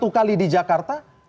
satu kali di jakarta